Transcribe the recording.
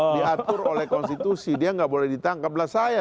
diatur oleh konstitusi dia enggak boleh ditangkap lah saya